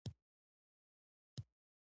ما هم عاقلانه مشوره درکړه.